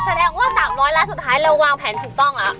แสดงว่า๓๐๐ล้านสุดท้ายเราวางแผนถูกต้องแล้ว